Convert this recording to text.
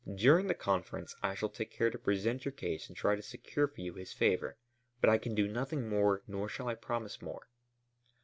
During the conference I shall take care to present your case and try to secure for you his favor. But I can do nothing more, nor shall I promise more."